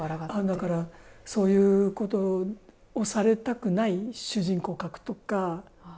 だから、そういうことをされたくない主人公を書くとか。